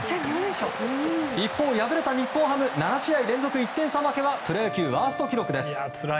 一方、敗れた日本ハム。７試合連続１点差負けはプロ野球ワースト記録です。